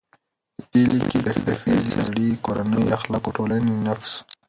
دې لیک کې د ښځې، سړي، کورنۍ، اخلاقو، ټولنې، نفس،